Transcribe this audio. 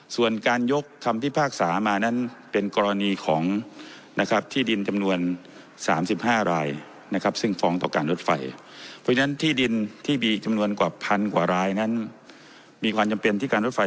ส่วนการยกคำพิพากษามานั้นเป็นกรณีของนะครับที่ดินจำนวน๓๕รายนะครับซึ่งฟองต่อการรถไฟ